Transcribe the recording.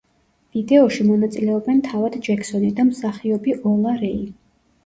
ვიდეოში მონაწილეობენ თავად ჯექსონი და მსახიობი ოლა რეი.